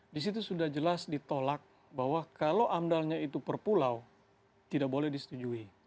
di situ sudah jelas ditolak bahwa kalau amdalnya itu per pulau tidak boleh disetujui